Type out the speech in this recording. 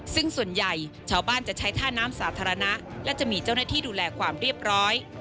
ซึ่งส่วนใหญ่ชาวบ้านจะใช้ท่าน้ำสาธารณะและจะมีเจ้าหน้าที่ดูแลความเรียบร้อย